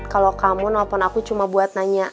kalau kamu nelfon aku cuma buat nanya